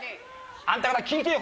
あんたほら聞いてよ